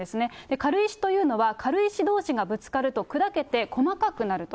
軽石というのは、軽石どうしがぶつかると砕けて細かくなると。